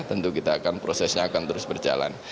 tentu kita akan prosesnya akan terus berjalan